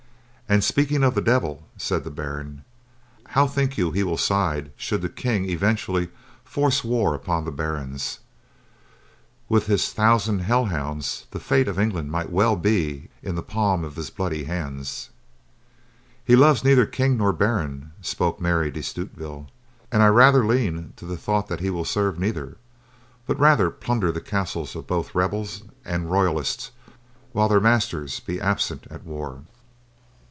"An' speaking of the Devil," said the Baron, "how think you he will side should the King eventually force war upon the barons? With his thousand hell hounds, the fate of England might well be in the palm of his bloody hand." "He loves neither King nor baron," spoke Mary de Stutevill, "and I rather lean to the thought that he will serve neither, but rather plunder the castles of both rebel and royalist whilst their masters be absent at war."